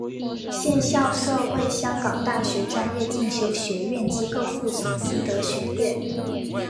现校舍为香港大学专业进修学院机构附属明德学院。